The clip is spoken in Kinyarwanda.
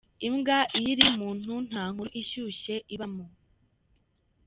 Imbwa iyo iriye umuntu nta nkuru ishyushye ibamo.